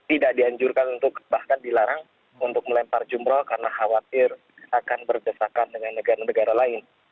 tidak dianjurkan untuk bahkan dilarang untuk melempar jumroh karena khawatir akan berdesakan dengan negara negara lain